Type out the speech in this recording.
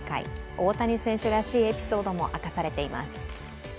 大谷選手らしいエピソードも明かされています。